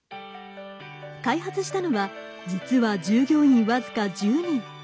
開発したのは実は従業員、僅か１０人。